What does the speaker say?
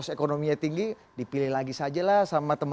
jadi pembahasan tentang evaluasi sesungguhnya awalnya